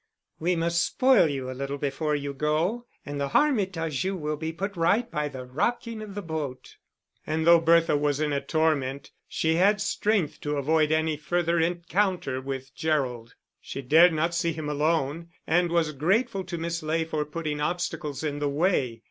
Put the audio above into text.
"We must spoil you a little before you go; and the harm it does you will be put right by the rocking of the boat." And though Bertha was in a torment, she had strength to avoid any further encounter with Gerald. She dared not see him alone, and was grateful to Miss Ley for putting obstacles in the way.